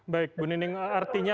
baik bunining artinya